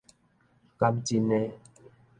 敢真的